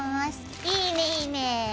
いいねいいね！